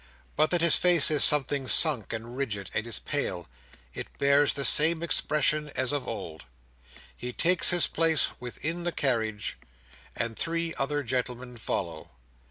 But that his face is something sunk and rigid, and is pale, it bears the same expression as of old. He takes his place within the carriage, and three other gentlemen follow.